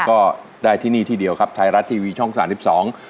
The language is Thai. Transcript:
ก็ได้ที่นี่ที่เดียวครับไทยรัฐทีวีช่องสามสิบสอง